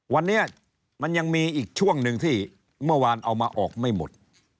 วันนี้มันยังมีอีกช่วงหนึ่งที่เมื่อวานเอามาออกไม่หมด